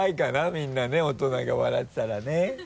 みんなね大人が笑ってたらね。